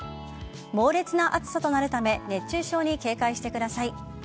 猛烈な暑さとなるため熱中症に警戒してください。